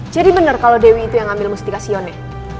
jadi bener kalau dewi itu yang ngambil mustika sione